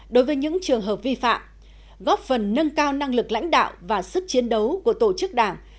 đối với những trường hợp vi phạm góp phần nâng cao năng lực lãnh đạo và sức chiến đấu của tổ chức đảng